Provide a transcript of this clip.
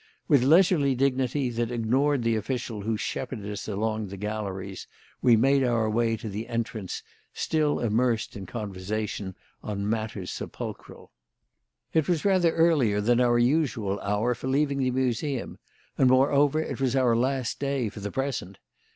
With leisurely dignity that ignored the official who shepherded us along the galleries, we made our way to the entrance, still immersed in conversation on matters sepulchral. It was rather earlier than our usual hour for leaving the Museum and, moreover, it was our last day for the present.